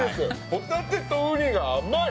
ホタテとウニが甘い。